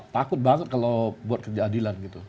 takut banget kalau buat kerja adilan gitu